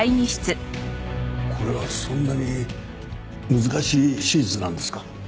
これはそんなに難しい手術なんですか？